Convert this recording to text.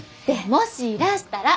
もしいらしたら！